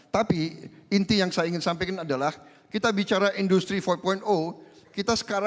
tapi inti yang saya ingin sampaikan adalah kita bicara industri empat kita sekarang masih belum bisa membela petani petani kita sendiri